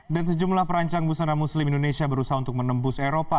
dan sejumlah perancang busana muslim indonesia berusaha untuk menembus eropa